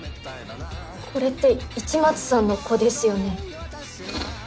これって市松さんの子ですよね？